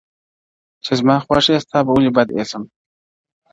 o چي زما خوښ يې، ستا به ولي بد اېسم.